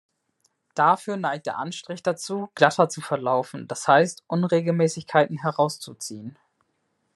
Dafür neigt der Anstrich dazu, glatter zu verlaufen, das heißt Unregelmäßigkeiten „herauszuziehen“.